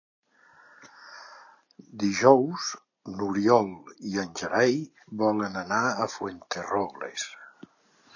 Dijous n'Oriol i en Gerai volen anar a Fuenterrobles.